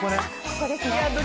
ここですね。